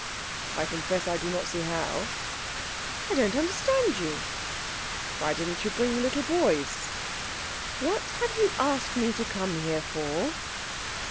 "I confess I do not see how." "I don't understand you." "Why didn't you bring the little boys?" "What have you asked me to come here for?"